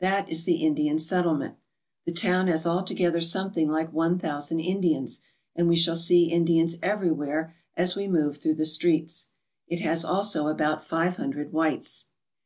That is the Indian settlement. The town has altogether something like one thousand Indians, and we shall see Indians everywhere as we move through the streets. It has also about five hundred whites.